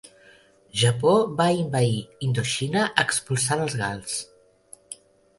Japó va envair Indoxina expulsant els gals.